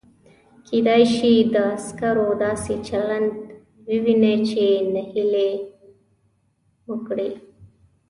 کېدای شي د عسکرو داسې چلند ووینئ چې نهیلي مو کړي.